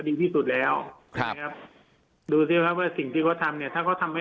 ดีที่สุดแล้วครับดูสิครับว่าสิ่งที่เขาทำเนี่ยถ้าเขาทำให้